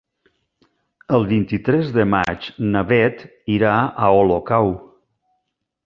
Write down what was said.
El vint-i-tres de maig na Beth irà a Olocau.